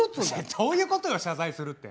どういうことよ謝罪するって？